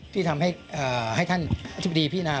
ที่ทำให้ท่านอธิบดีพินา